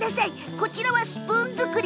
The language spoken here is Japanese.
こちらは、スプーン作り。